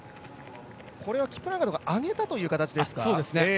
これはキプラガトが上げたという形ですか。